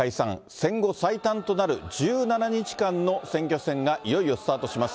戦後最短となる１７日間の選挙戦が、いよいよスタートします。